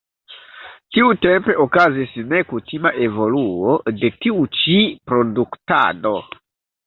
Tiutempe okazis nekutima evoluo de tiu ĉi produktado.